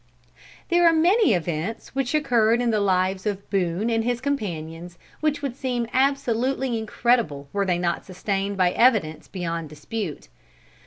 There are many events which occurred in the lives of Boone and his companions, which would seem absolutely incredible were they not sustained by evidence beyond dispute.